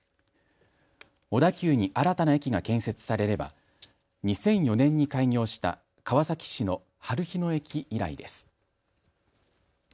小田急に新たな駅が建設されれば２００４年に開業した川崎市のはるひ野駅以来です。